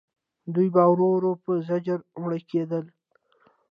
دوی به ورو ورو په زجر مړه کېدل.